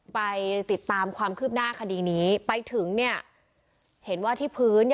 ไปติดตามความคืบหน้าคดีนี้ไปถึงเนี่ยเห็นว่าที่พื้น